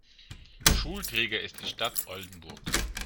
Schulträger ist die Stadt Oldenburg.